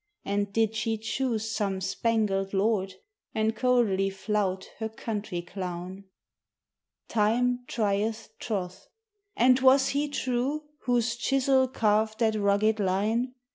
And did she choose some spangled lord And coldly flout her country clown? "Time trieth troth." And was he true Whose chisel carved that rugged line?